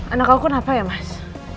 anak aku kenapa ya mas